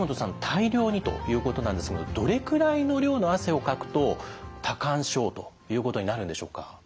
大量にということなんですがどれくらいの量の汗をかくと多汗症ということになるんでしょうか？